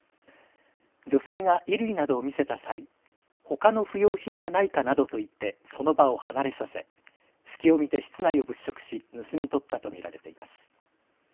女性が衣類などを見せた際、ほかの不用品はないかなどと言ってその場を離れさせ隙を見て室内を物色し盗み取ったと見られています。